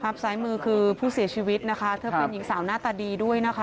ซ้ายมือคือผู้เสียชีวิตนะคะเธอเป็นหญิงสาวหน้าตาดีด้วยนะคะ